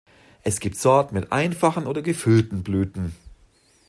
Es gibt Sorten mit einfachen oder gefüllten Blüten.